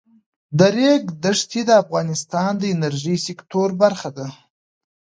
د ریګ دښتې د افغانستان د انرژۍ سکتور برخه ده.